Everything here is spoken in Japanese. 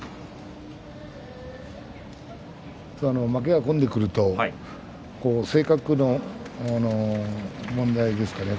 負けが込んでくると性格の問題ですかね